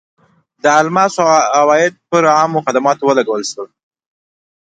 د الماسو عواید پر عامه خدماتو ولګول شول.